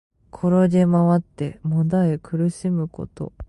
転げまわって悶え苦しむこと。